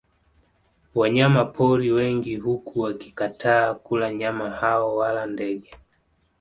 Wanyama pori wengi huku wakikataa kula wanyama hao wala ndege